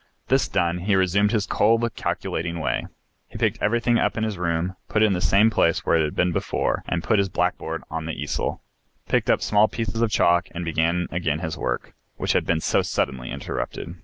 This done, he resumed his cold, calculating way. He picked everything up in his room, put it in the same place where it had been before and put his blackboard on the easel, picked up the small pieces of chalk and began again his work, which had been so suddenly interrupted.